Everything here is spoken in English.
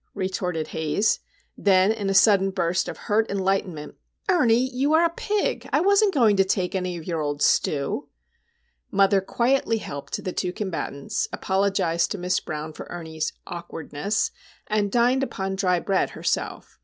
retorted Haze. Then, in a sudden burst of hurt enlightenment,—"Ernie, you are a pig! I wasn't going to take any of your old stew." Mother quietly helped the two combatants, apologised to Miss Brown for Ernie's "awkwardness," and dined upon dry bread herself.